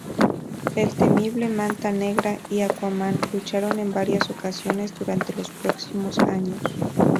El temible Manta Negra y Aquaman lucharon en varias ocasiones durante los próximos años.